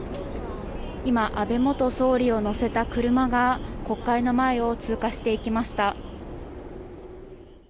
今、安倍元総理を乗せた車が国会の前を通過していきました。